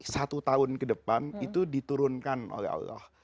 satu tahun ke depan itu diturunkan oleh allah